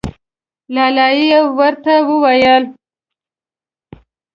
لا لا یې ورته وویل.